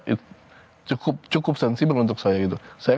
it s cukup cukup sensible untuk saya gitu